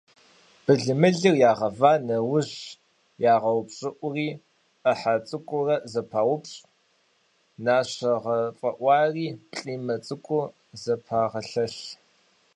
Былымылыр ягъэва нэужь, ягъэупщӀыӀури, Ӏыхьэ цӀыкӀуурэ зэпаупщӀ, нащэ гъэфӀэӀуари плӀимэ цӀыкӀуу зэпагъэлъэлъ.